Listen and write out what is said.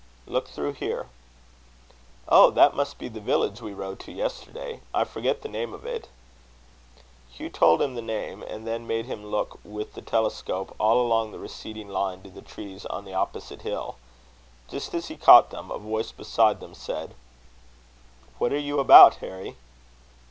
"Look through here." "Oh! that must be the village we rode to yesterday I forget the name of it." Hugh told him the name; and then made him look with the telescope all along the receding line to the trees on the opposite hill. Just as he caught them, a voice beside them said: "What are you about, Harry?"